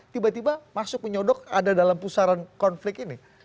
tiba tiba masuk menyodok ada dalam pusaran konflik ini